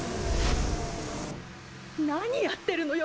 何やってるのよ